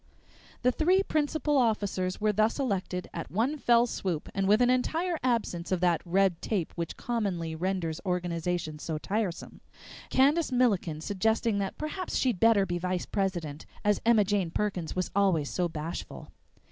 The three principal officers were thus elected at one fell swoop and with an entire absence of that red tape which commonly renders organization so tiresome, Candace Milliken suggesting that perhaps she'd better be vice president, as Emma Jane Perkins was always so bashful.